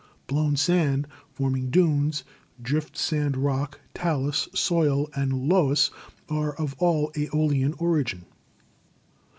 Blown sand, forming dunes, drift sand rock, talus, soil and loess are all of yEolian origin.